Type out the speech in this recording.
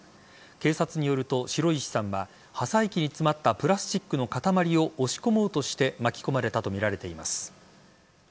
警察によると白石さんは破砕機に詰まったプラスチックの塊を押し込もうとして巻き込まれたとみられています。